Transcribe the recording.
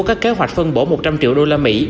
có kế hoạch phân bổ một trăm linh triệu đô la mỹ